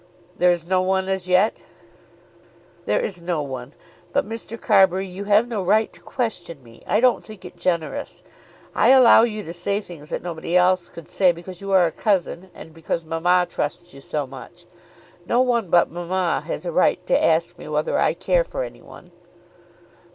"There is no one as yet?" "There is no one. But, Mr. Carbury, you have no right to question me. I don't think it generous. I allow you to say things that nobody else could say because you are a cousin and because mamma trusts you so much. No one but mamma has a right to ask me whether I care for any one."